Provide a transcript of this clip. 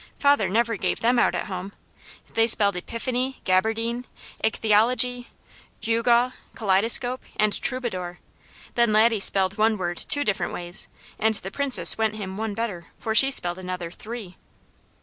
Father never gave them out at home. They spelled epiphany, gaberdine, ichthyology, gewgaw, kaleidoscope, and troubadour. Then Laddie spelled one word two different ways; and the Princess went him one better, for she spelled another three.